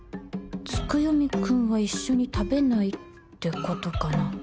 月読くんは一緒に食べないって事かな？